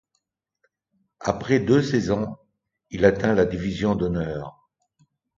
Après deux saisons, il atteint la Division d'Honneur.